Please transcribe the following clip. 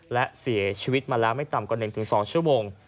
และเสียชีวิตมาแล้วไม่ต่ำกว่า๑๒ชั่วโมง